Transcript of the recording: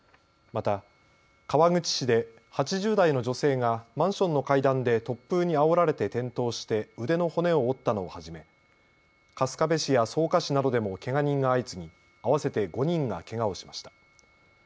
また川口市で８０代の女性がマンションの階段で突風にあおられて転倒して腕の骨を折ったのをはじめ春日部市や草加市などでもけが人が相次ぎ合わせて５人がけがをしました。